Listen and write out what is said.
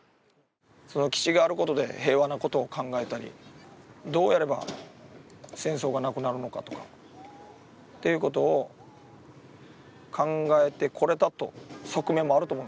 基地があることで平和のことを考えたり、どうやれば戦争がなくなるのかとか、ということを考えてこれたという側面もあると思う。